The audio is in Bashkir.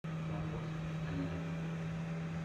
Барбосмы әллә?